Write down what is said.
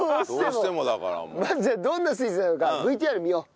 まずどんなスイーツなのかＶＴＲ見よう。